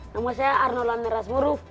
nama saya arnold landeras muruf